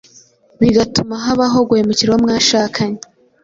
bigatuma habaho guhemukira uwo mwashakanye.